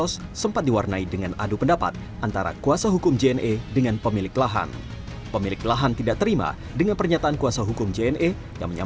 saya main ganti rusak ganti sendiri enak saja